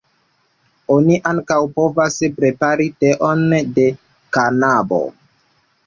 Oni ankaŭ povas prepari teon de kanabo.